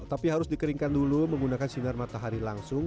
tapi harus dikeringkan dulu menggunakan sinar matahari langsung